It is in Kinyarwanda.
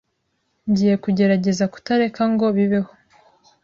Ngiye kugerageza kutareka ngo bibeho.